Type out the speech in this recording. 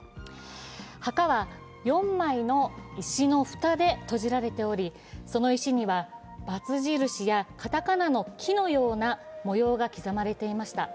墓は４枚の石の蓋で閉じられておりその石には×印や片仮名の「キ」のような模様が刻まれていました。